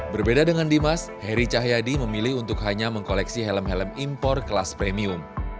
berbeda dengan dimas heri cahyadi memilih untuk hanya mengkoleksi helm helm impor kelas premium